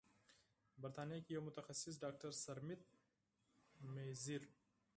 بریتانیا کې یو متخصص ډاکتر سرمید میزیر